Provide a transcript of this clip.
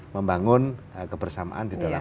membangun kebersamaan di dalam